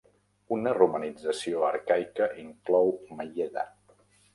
Una romanització arcaica inclou Mayeda.